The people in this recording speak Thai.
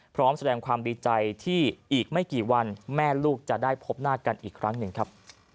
พร้อมแสดงความดีใจที่อีกไม่กี่วันแม่ลูกจะได้พบหน้ากันอีกครั้งหนึ่งครับ